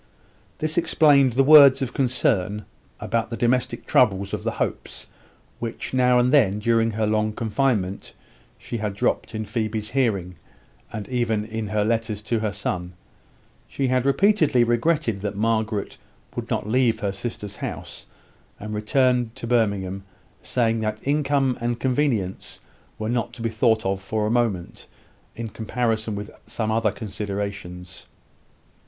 This explained the words of concern about the domestic troubles of the Hopes, which, now and then during her long confinement, she had dropped in Phoebe's hearing, and even in her letters to her son. She had repeatedly regretted that Margaret would not leave her sister's house, and return to Birmingham saying that income and convenience were not to be thought of for a moment, in comparison with some other considerations.